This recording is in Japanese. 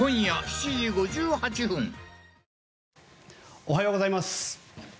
おはようございます。